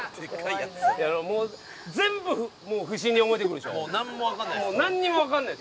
全部不審に思えてくるでしょ。